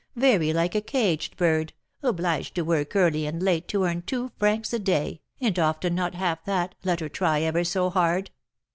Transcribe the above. very like a caged bird, obliged to work early and late to earn two francs a day, and often not half that, let her try ever so hard."